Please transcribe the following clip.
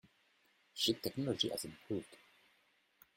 Ship technology has improved.